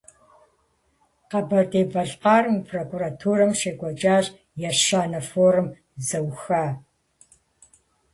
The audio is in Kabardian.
Къэбэрдей-Балъкъэрым и Прокуратурэм щекӀуэкӀащ ещанэ форум зэӀуха.